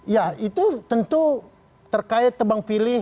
ya itu tentu terkait tebang pilih